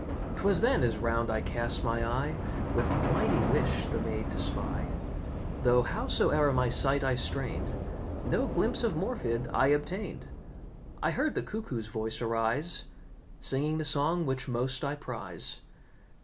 'Twas then as round I cast my eye With mighty wish the maid to spy; Though, howsoe'er my sight I strained, No glimpse of Morfydd I obtained. I heard the cuckoo's voice arise, Singing the song which most I prize.